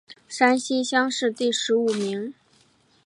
山西乡试第十五名。